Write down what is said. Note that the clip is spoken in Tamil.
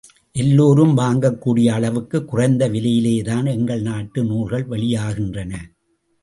எல்லோரும் வாங்கக்கூடிய அளவுக்கு குறைந்த விலையிலேதான் எங்கள் நாட்டு நூல்கள் வெளியாகின்றன.